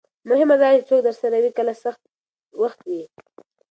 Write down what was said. مهمه دا ده چې څوک درسره وي کله سخت وخت وي.